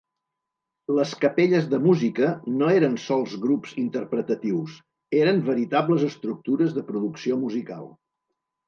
Les capelles de música no eren sols grups interpretatius; eren veritables estructures de producció musical.